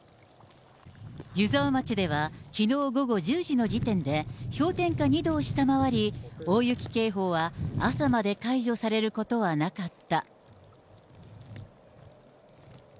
湯沢町では、きのう午後１０時の時点で、氷点下２度を下回り、大雪警報は朝まで解除されることはなかった。